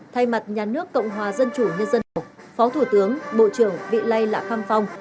thay mặt nhà nước cộng hòa dân chủ nhân dân lào phó thủ tướng bộ trưởng vị lai lạ khăm phong